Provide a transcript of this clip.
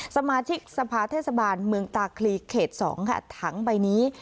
สมาชิกสภาเทศบาลเมืองตาคลีเขต๒ค่ะถังใบนี้